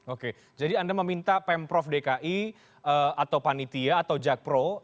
oke jadi anda meminta pemprov dki atau panitia atau jakpro